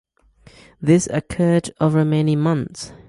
This occurred over many months.